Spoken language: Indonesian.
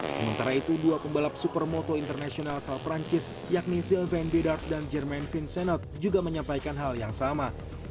sementara itu dua pembalap supermoto internasional asal perancis yakni silvian bidard dan jerman vincenot juga menyampaikan hal yang sama